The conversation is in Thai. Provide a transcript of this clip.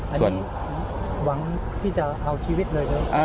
อันนี้หวังที่จะเอาชีวิตเลยนะครับ